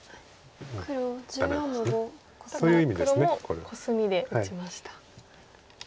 だから黒もコスミで打ちました。